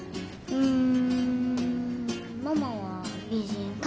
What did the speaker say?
うん。